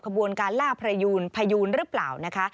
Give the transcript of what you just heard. ขบวนการล่าพยูนพยูนหรือเปล่านะคะ